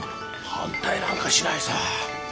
反対なんかしないさ。